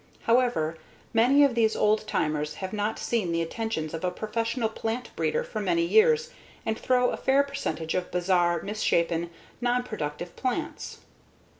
However, many of these old timers have not seen the attentions of a professional plant breeder for many years and throw a fair percentage of bizarre, misshapen, nonproductive plants.